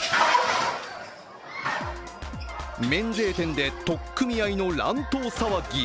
免税店で取っ組み合いの乱闘騒ぎ。